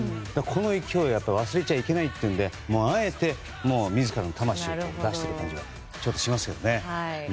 この勢いを忘れちゃいけないというのであえて自らの魂を出してくれた気がしますね。